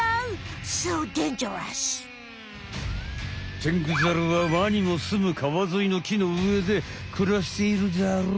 テングザルはワニもすむ川沿いの木の上で暮らしているザル。